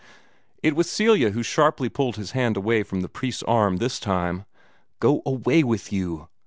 It was Celia who sharply pulled his hand away from the priest's arm this time. "Go away with you!"